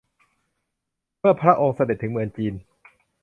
เมื่อพระองค์เสด็จถึงเมืองจีน